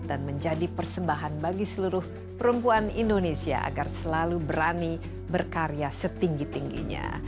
dan menjadi persembahan bagi seluruh perempuan indonesia agar selalu berani berkarya setinggi tingginya